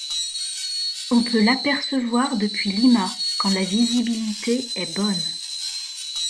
On peut l'apercevoir depuis Lima quand la visibilité est bonne.